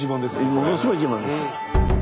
ものすごい自慢です。